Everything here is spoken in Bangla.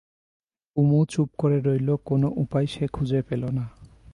কুমু চুপ করে রইল, কোনো উপায় সে খুঁজে পেল না।